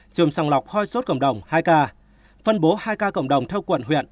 chùm sòng lọc hoi sốt cộng đồng hai ca phân bổ hai ca cộng đồng theo quận huyện